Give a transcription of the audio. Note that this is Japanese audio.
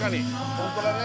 本当だね。